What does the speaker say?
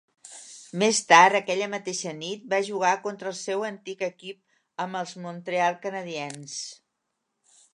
Més tard aquella mateixa nit, va jugar contra el seu antic equip amb els Montreal Canadiens.